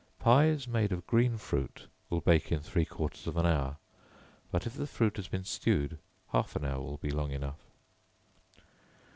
Pies made of green fruit will bake in three quarters of an hour; but if the fruit has been stewed, half an hour will be long enough.